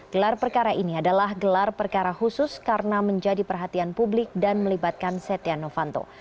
gelar perkara ini adalah gelar perkara khusus karena menjadi perhatian publik dan melibatkan setia novanto